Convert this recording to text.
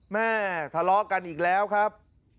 แม่ทะเลาะกันอีกแล้วครับ